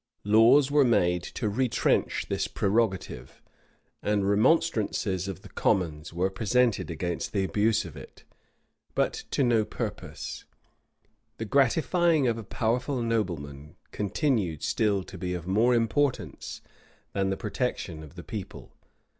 Laws were made to retrench this prerogative,[] and remonstrances of the commons were presented against the abuse of it;[] but to no purpose. The gratifying of a powerful nobleman continued still to be of more importance than the protection of the people.